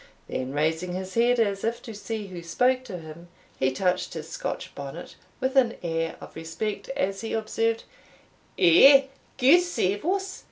Then raising his head, as if to see who spoke to him, he touched his Scotch bonnet with an air of respect, as he observed, "Eh, gude safe us!